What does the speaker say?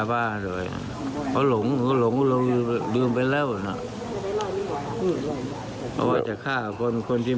ไม่ค่อยมีเลยคนนี้ไม่ค่อยมี